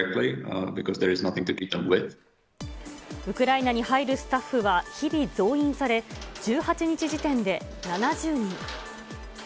ウクライナに入るスタッフは日々増員され、１８日時点で７０人。